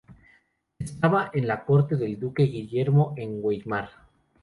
Estaba en la corte del duque Guillermo en Weimar.